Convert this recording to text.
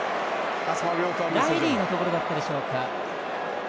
ライリーのところだったでしょうか。